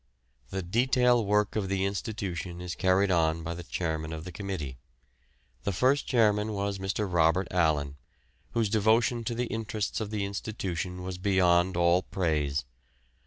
The detail work of the institution is carried on by the chairman of the committee. The first chairman was Mr. Robert Allan, whose devotion to the interests of the institution was beyond all praise.